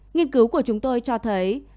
nghiên cứu của chúng tôi cho thấy